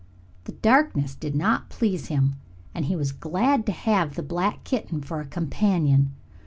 The darkness did not please him, and he was glad to have the black kitten for a companion.